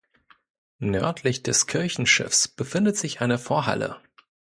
Nördlich des Kirchenschiffs befindet sich eine Vorhalle.